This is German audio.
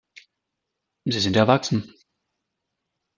Sie sind erwachsen.